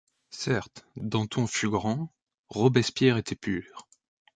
Certes, Danton fut grand ; Robespierre était pur ;